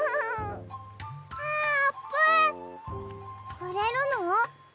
くれるの？